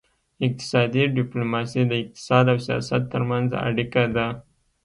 اقتصادي ډیپلوماسي د اقتصاد او سیاست ترمنځ اړیکه ده